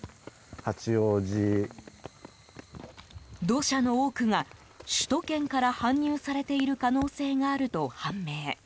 土砂の多くが首都圏から搬入されている可能性があると判明。